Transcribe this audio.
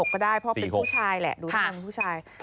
ก็ได้เพราะเป็นผู้ชายแหละดูทางผู้ชาย